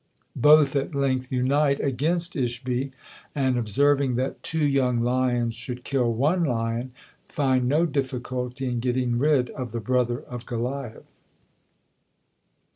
Both at length unite against Ishbi, and observing that two young lions should kill one lion, find no difficulty in getting rid of the brother of Goliath.